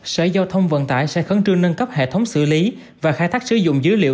sở giao thông vận tải sẽ khẩn trương nâng cấp hệ thống xử lý và khai thác sử dụng dữ liệu